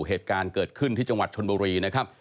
เหตุการณ์เกิดขึ้นที่จังหวัดชนบุรีนะครับ